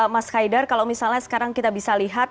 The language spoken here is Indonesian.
mas kaidar kalau misalnya sekarang kita bisa lihat